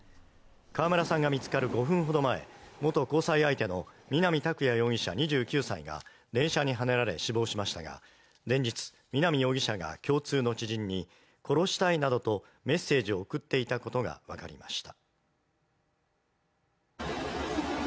川村さんが見つかる５分ほど前元交際相手の南拓哉容疑者２９歳が電車にはねられ死亡しましたが、前日、南容疑者が共通の知人に殺したいなどとメッセージを送っていたことがわかりました。